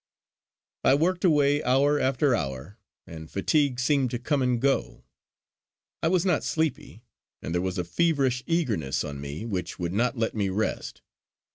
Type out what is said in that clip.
I worked away hour after hour, and fatigue seemed to come and go. I was not sleepy, and there was a feverish eagerness on me which would not let me rest.